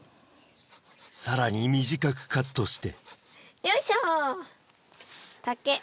さらに短くカットしてよいしょ。